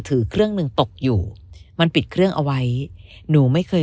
ถือเครื่องหนึ่งตกอยู่มันปิดเครื่องเอาไว้หนูไม่เคย